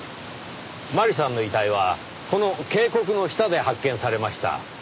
麻里さんの遺体はこの渓谷の下で発見されました。